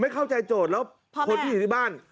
เข้าใจโจทย์แล้วคนที่อยู่ที่บ้าน